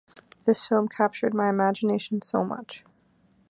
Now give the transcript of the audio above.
This film captured my imagination so much.